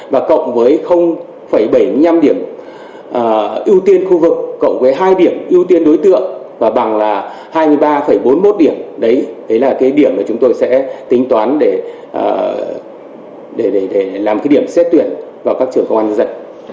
và cộng với bảy mươi năm điểm ưu tiên khu vực cộng với hai điểm ưu tiên đối tượng và bằng là hai mươi ba bốn mươi một điểm đấy là cái điểm mà chúng tôi sẽ tính toán để làm cái điểm xét tuyển vào các trường công an dạy